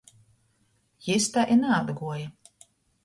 Jis tai i naatguoja.